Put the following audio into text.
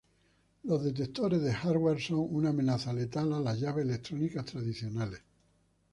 Los detectores de hardware son una amenaza letal a las llaves electrónicas tradicionales.